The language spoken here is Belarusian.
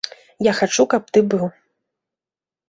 Я хачу, каб ты быў.